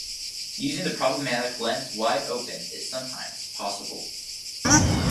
Using the problematic lens wide open is sometimes possible.